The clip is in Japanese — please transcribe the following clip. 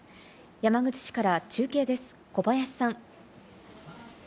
山口市から中継です、小林さん。